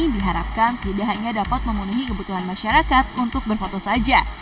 diharapkan tidak hanya dapat memenuhi kebutuhan masyarakat untuk berfoto saja